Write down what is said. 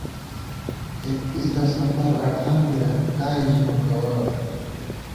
ایکیس دسمبر اٹھانوېَہ ، کائے ژِبہ گوَرہ